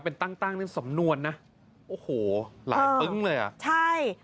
เป็นตั้งตั้งสำนวนนะโอ้โหหลายปึ๊งเลยอ่ะใช่